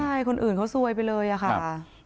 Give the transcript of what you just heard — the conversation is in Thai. ใช่คนอื่นเขาซวยไปเลยอะค่ะ